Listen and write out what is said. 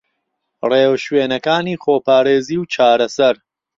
رێوشوێنەکانی خۆپارێزی و چارەسەر